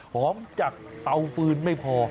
หอมจากเตาฟืนไม่พอ